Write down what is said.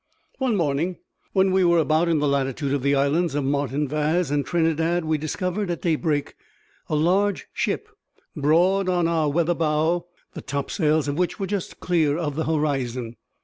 One morning, when we were about in the latitude of the islands of Martin Vaz and Trinidad, we discovered, at daybreak, a large ship broad on our weather bow, the topsails of which were just clear of the horizon.